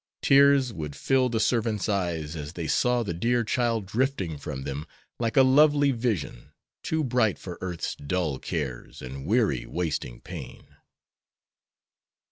Tears would fill the servants' eyes as they saw the dear child drifting from them like a lovely vision, too bright for earth's dull cares and weary, wasting pain.